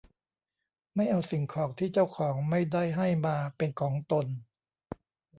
ไม่เอาสิ่งของที่เจ้าของไม่ได้ให้มาเป็นของตน